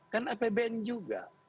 kan apbn juga